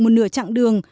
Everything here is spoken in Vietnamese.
một nửa chặng đường